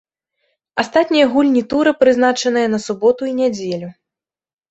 Астатнія гульні тура прызначаныя на суботу і нядзелю.